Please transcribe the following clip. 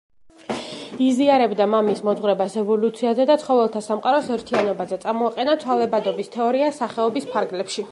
იზიარებდა მამის მოძღვრებას ევოლუციაზე და ცხოველთა სამყაროს ერთიანობაზე: წამოაყენა ცვალებადობის თეორია სახეობის ფარგლებში.